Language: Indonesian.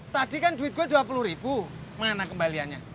tadi kan duit gue dua puluh ribu mana kembaliannya